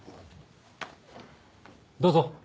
どうぞ。